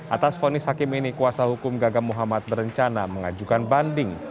atas fonis hakim ini kuasa hukum gagap muhammad berencana mengajukan banding